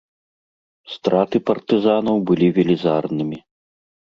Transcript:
Страты партызанаў былі велізарнымі.